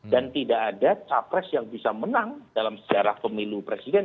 dan tidak ada capres yang bisa menang dalam sejarah pemilu presiden